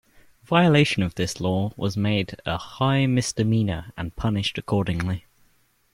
Violation of this law was made a high misdemeanor and punished accordingly.